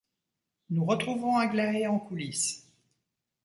Nous retrouvons Aglaé en coulisse.